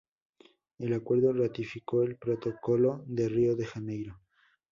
El Acuerdo ratificó el Protocolo de Río de Janeiro.